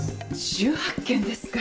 １８件ですか。